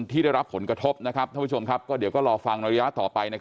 ที่ได้รับผลกระทบท่านผู้ชมครับก็เดี๋ยวก็รอฟังระยะต่อไป